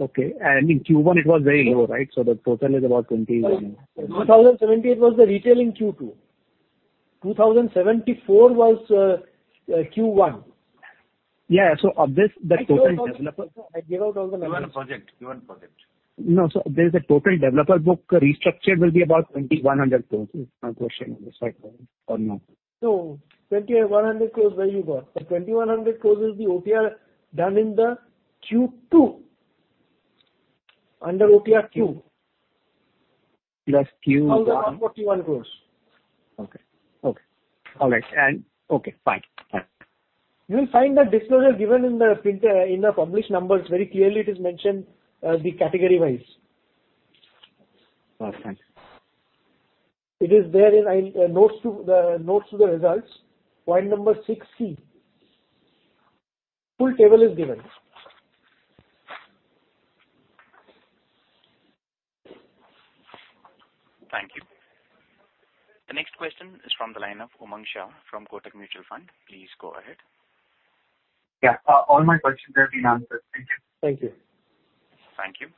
Okay. In Q1 it was very low, right? The total is about 21. Sorry. 2,078 was the retail in Q2. INR 2,074 was Q1. Yeah. of this, the total developer- I gave out all the numbers. You are on project. No. There is a total developer book restructure will be about 2,100 crores is my question, despite that or not? No. 2,100 crores. Where you got? The 2,100 crores is the OTR done in the Q2. Under OTR Q? Plus Q1. 1,041 crores. Okay. All right. Okay, fine. You will find the disclosure given in the published numbers. Very clearly it is mentioned the category-wise. Well, thanks. It is there in notes to the results. Point number 6C. Full table is given. Thank you. The next question is from the line of Umang Shah from Kotak Mutual Fund. Please go ahead. Yeah. All my questions have been answered. Thank you. Thank you. Thank you.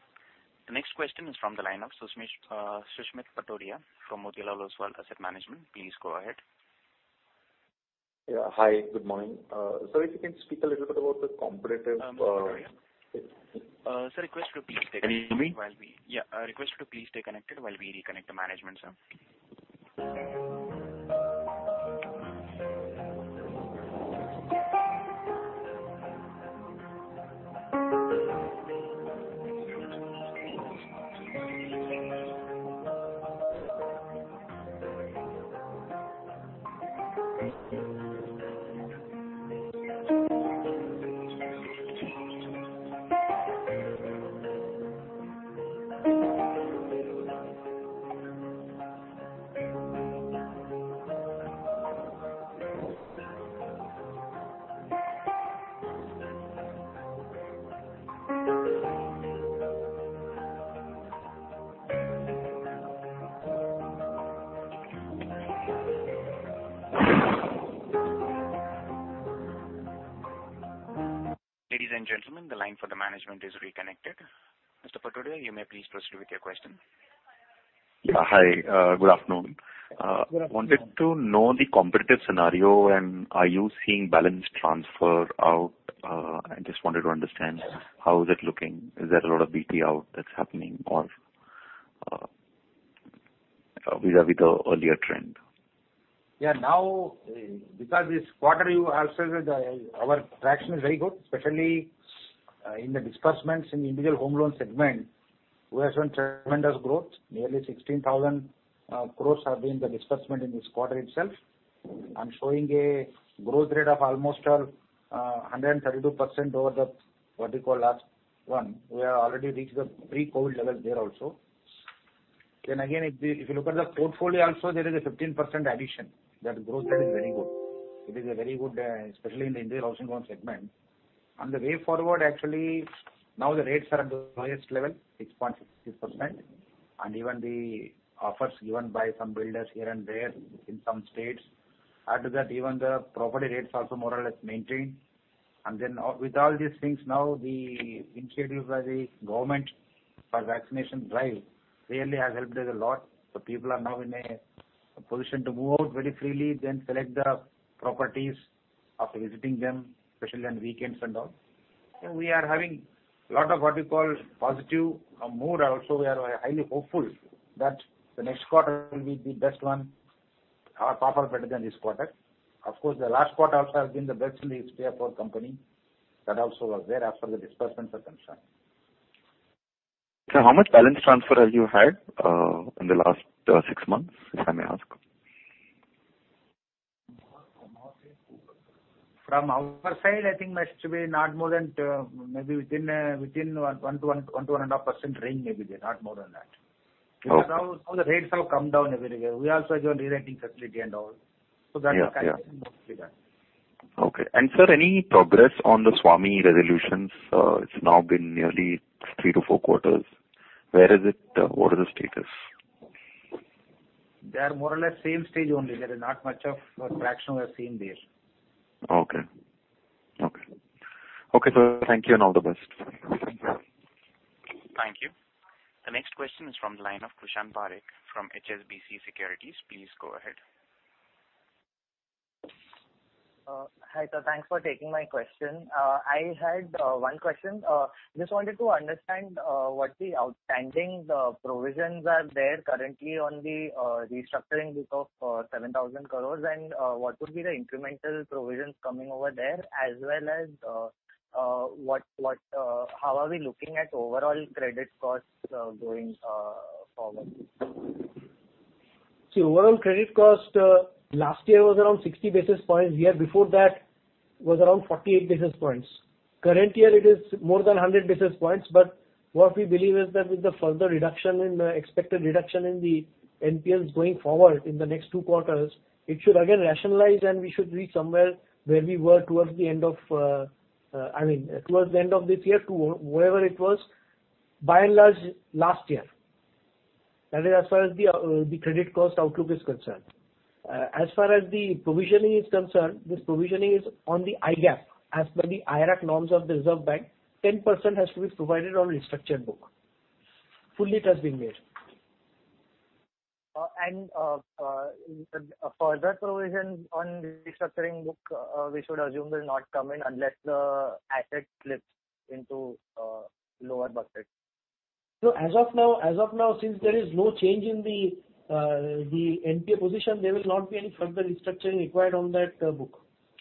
The next question is from the line of Susmit Patodia from Motilal Oswal Asset Management. Please go ahead. Yeah. Hi, good morning. Sir, if you can speak a little bit about the competitive- Sir, request to please stay connected. Can you hear me? Yeah. Request to please stay connected while we reconnect the management, sir. Ladies and gentlemen, the line for the management is reconnected. Mr. Patodia, you may please proceed with your question. Hi. Good afternoon. Good afternoon. wanted to know the competitive scenario. Are you seeing balance transfer out? I just wanted to understand how is it looking? Is there a lot of BT out that's happening or vis-a-vis the earlier trend? Yeah. Now, because this quarter you have said that our traction is very good, especially in the disbursements in individual home loan segment, we have seen tremendous growth. Nearly 16,000 crore have been the disbursement in this quarter itself and showing a growth rate of almost 132% over the, what do you call, last one. We have already reached the pre-COVID levels there also. If you look at the portfolio also there is a 15% addition. That growth rate is very good. It is very good, especially in the individual housing loan segment. The way forward, actually, now the rates are at the lowest level, 6.66%. Even the offers given by some builders here and there in some states. After that, even the property rates also more or less maintained. With all these things now, the initiatives by the government for vaccination drive really has helped us a lot. People are now in a position to move out very freely, then select the properties after visiting them, especially on weekends and all. We are having lot of, what do you call, positive mood also. We are highly hopeful that the next quarter will be the best one or tougher better than this quarter. Of course, the last quarter also has been the best in the history of our company. That also was there as far as the disbursements are concerned. Sir, how much balance transfer have you had in the last six months, if I may ask? From our side, I think must be not more than maybe within 1%-1.5% range maybe there, not more than that. Okay. Now the rates have come down everywhere. We also have given rewriting facility and all. That is capturing mostly that. Okay. Sir, any progress on the SWAMIH resolutions? It's now been nearly 3-4 quarters. Where is it? What is the status? They are more or less same stage only. There is not much of traction we are seeing there. Okay. Sir, thank you and all the best. Thank you. Thank you. The next question is from the line of Kushan Parikh from HSBC Securities. Please go ahead. Hi, sir. Thanks for taking my question. I had one question. Just wanted to understand what the outstanding provisions are there currently on the restructuring book of 7,000 crores and what would be the incremental provisions coming over there, as well as how are we looking at overall credit costs going forward? Overall credit cost last year was around 60 basis points. Year before that was around 48 basis points. Current year it is more than 100 basis points. What we believe is that with the further expected reduction in the NPAs going forward in the next two quarters, it should again rationalize and we should reach somewhere where we were towards the end of this year to wherever it was, by and large, last year. That is as far as the credit cost outlook is concerned. As far as the provisioning is concerned, this provisioning is on the IRAC. As per the IRAC norms of the Reserve Bank, 10% has to be provided on restructured book. Fully it has been made. Further provision on restructuring book, we should assume will not come in unless the asset flips into lower bucket. No. As of now, since there is no change in the NPA position, there will not be any further restructuring required on that book.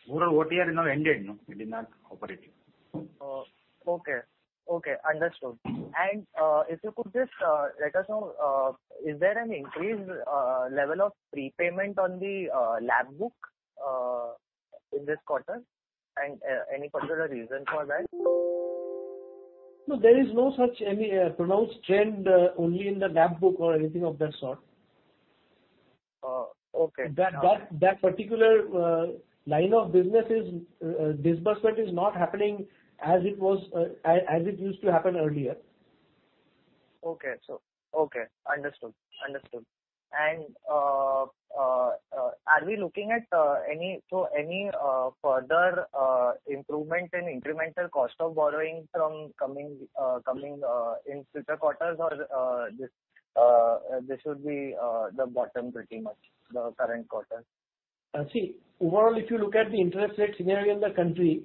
Overall OTR now ended. It is not operating. Okay. Understood. If you could just let us know, is there an increased level of prepayment on the LAP book in this quarter? Any particular reason for that? No. There is no such any pronounced trend only in the LAP book or anything of that sort. Okay. That particular line of business is disbursement is not happening as it used to happen earlier. Okay. Understood. Are we looking at any further improvement in incremental cost of borrowing coming in future quarters or this would be the bottom pretty much, the current quarter? See, overall, if you look at the interest rate scenario in the country,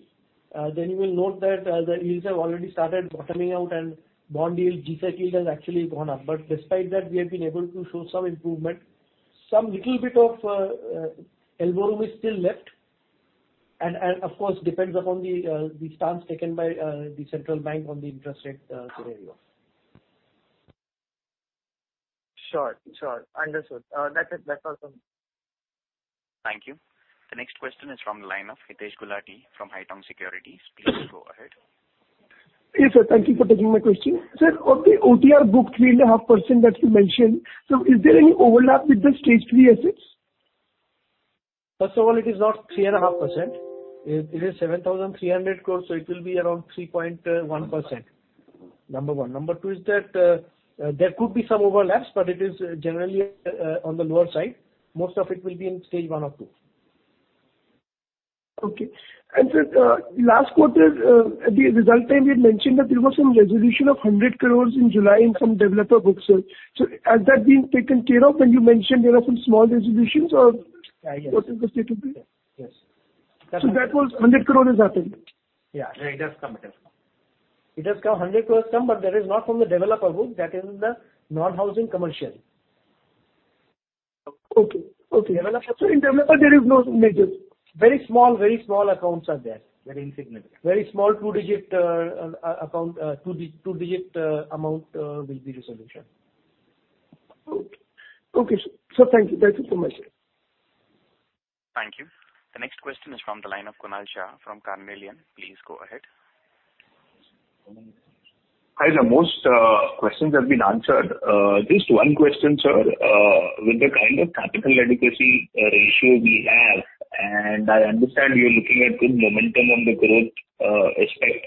you will note that the yields have already started bottoming out and bond yield, G-Sec yield has actually gone up. Despite that we have been able to show some improvement. Some little bit of elbow room is still left and of course depends upon the stance taken by the central bank on the interest rate scenario. Sure. Understood. That's all from me. Thank you. The next question is from the line of Hitesh Gulati from Haitong Securities. Please go ahead. Yes, sir. Thank you for taking my question. Sir, of the OTR book 3.5% that you mentioned. Sir, is there any overlap with the Stage 3 assets? First of all, it is not 3.5%. It is 7,300 crores, so it will be around 3.1%. Number one Number two is that there could be some overlaps, but it is generally on the lower side. Most of it will be in stage 1 or 2. Okay. Sir, last quarter, at the result time, you had mentioned that there was some resolution of 100 crores in July in some developer books. Has that been taken care of when you mentioned there are some small resolutions? Yes. What is the state of it? Yes. That was 100 crore is happening. Yeah. It has come. 100 crore come, but that is not from the developer book, that is in the non-housing commercial. Okay. Developer- In developer there is no major. Very small accounts are there. Very insignificant. Very small 2 digit amount will be resolution. Okay. Sir, thank you so much, sir. Thank you. The next question is from the line of Kunal Shah from Carnelian. Please go ahead. Hi, sir. Most questions have been answered. Just one question, sir. With the kind of capital adequacy ratio we have, and I understand you're looking at good momentum on the growth aspect,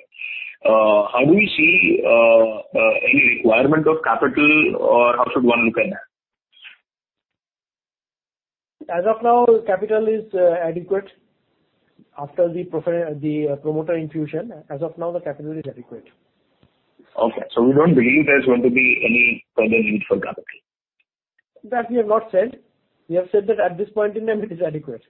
how do you see any requirement of capital or how should one look at that? As of now, capital is adequate. After the promoter infusion, as of now, the capital is adequate. Okay. We don't believe there's going to be any further need for capital. That we have not said. We have said that at this point in time it is adequate.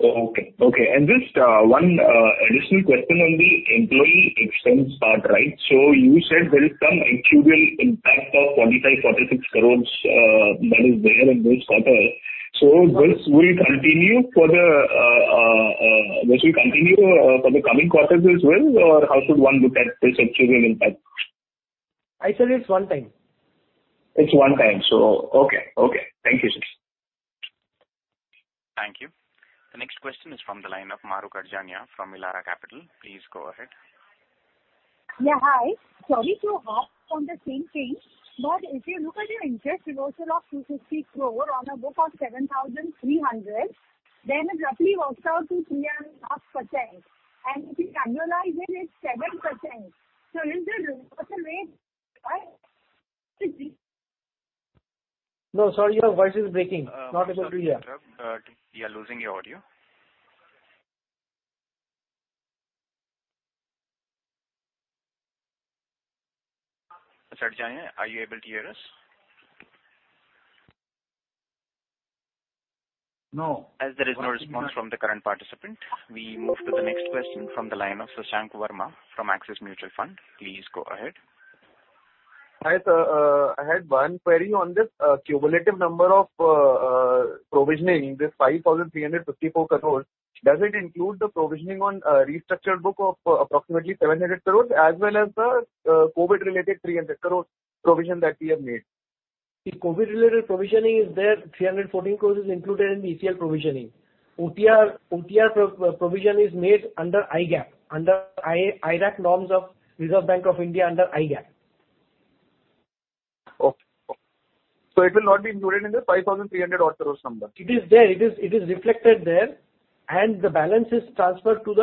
Okay. Just one additional question on the employee expense part. You said there is some actuarial impact of 45 crore-46 crore that is there in this quarter. This will continue for the coming quarters as well, or how should one look at this actuarial impact? I said it's one time. It's one time. Okay. Thank you, sir. Thank you. The next question is from the line of Mahrukh Adajania from Elara Capital. Please go ahead. Yeah, hi. Sorry to harp on the same thing, if you look at your interest reversal of 250 crore on a book of 7,300, it roughly works out to 3.5%. If we annualize it's 7%. Is the reversal rate right? No, sorry, your voice is breaking. Not able to hear. We are losing your audio. Adajania, are you able to hear us? No. As there is no response from the current participant, we move to the next question from the line of Shashank Verma from Axis Mutual Fund. Please go ahead. Hi, sir. I had one query on this cumulative number of provisioning, this 5,354 crores. Does it include the provisioning on restructured book of approximately 700 crores as well as the COVID-related 300 crores provision that we have made? The COVID-related provisioning is there, 314 crores is included in the ECL provisioning. OTR provision is made under IGAAP, under IRAC norms of Reserve Bank of India under IGAAP. Okay. It will not be included in the 5,300 odd crore number. It is there. It is reflected there, and the balance is transferred to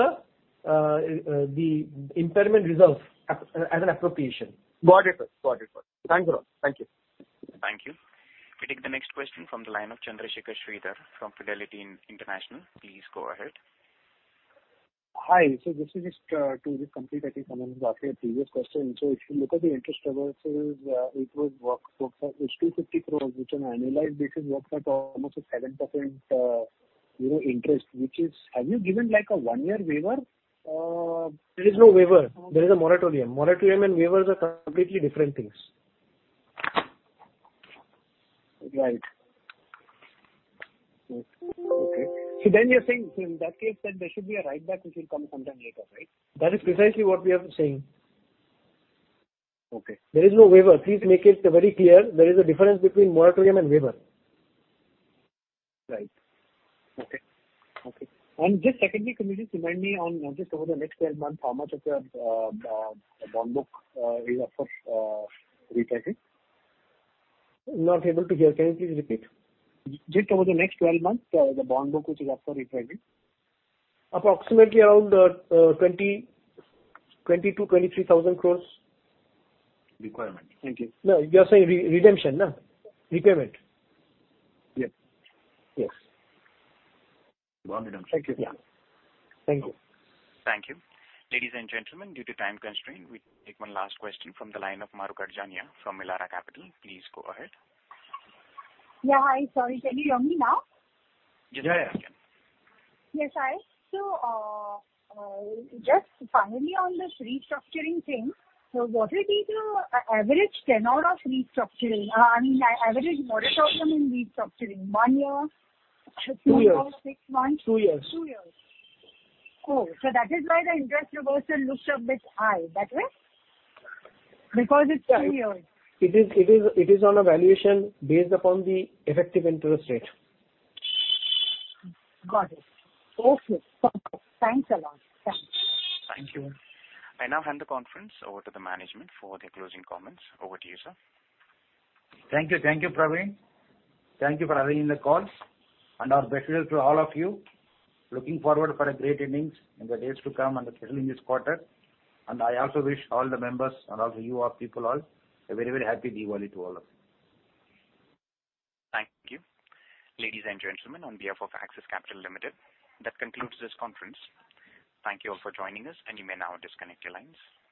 the impairment reserve as an appropriation. Got it, sir. Thanks a lot. Thank you. Thank you. We take the next question from the line of Chandrasekhar Sridhar from Fidelity International. Please go ahead. Hi. This is just to complete, I think, Aman's earlier previous question. If you look at the interest reversals, it was 250 crores, which on an annualized basis works out almost a 7% interest. Have you given a one-year waiver? There is no waiver. There is a moratorium. Moratorium and waivers are completely different things. Right. Okay. You're saying in that case then there should be a write-back which will come sometime later, right? That is precisely what we are saying. Okay. There is no waiver. Please make it very clear. There is a difference between moratorium and waiver. Right. Okay. Just secondly, can you just remind me on just over the next 12 months, how much of your bond book is up for repayment? Not able to hear. Can you please repeat? Just over the next 12 months, the bond book which is up for repayment. Approximately around 22,000-23,000 crores. Requirement. Thank you. No, you are saying redemption? Repayment. Yes. Yes. Bond redemption. Thank you. Yeah. Thank you. Thank you. Ladies and gentlemen, due to time constraint, we take one last question from the line of Mahrukh Adajania from Elara Capital. Please go ahead. Yeah, hi, sorry. Can you hear me now? Yes. Yes, hi. Just finally on this restructuring thing. What will be the average tenure of restructuring? I mean, average moratorium in restructuring, one year? Two years. Six months? Two years. Two years. Oh, so that is why the interest reversal looks a bit high, that way? Because it's two years. It is on a valuation based upon the effective interest rate. Got it. Okay. Thanks a lot. Thank you. I now hand the conference over to the management for their closing comments. Over to you, sir. Thank you, Praveen. Thank you for having the calls and our best wishes to all of you. Looking forward for a great innings in the days to come and especially in this quarter. I also wish all the members and also you, our people all, a very, very happy Diwali to all of you. Thank you. Ladies and gentlemen, on behalf of Axis Capital Limited, that concludes this conference. Thank you all for joining us, and you may now disconnect your lines.